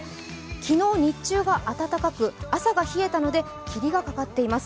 昨日日中が暖かく朝が冷えたので霧がかかっています。